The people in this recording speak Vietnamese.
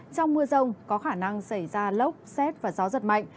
trong mưa rông có khả năng xảy ra lốc xét và gió giật mạnh